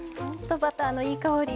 バターのいい香り！